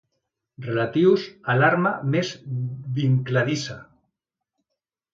Relatius a l'arma més vincladissa.